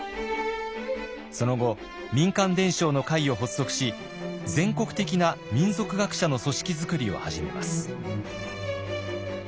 その後民間伝承の会を発足し全国的な民俗学者の組織作りを始めます。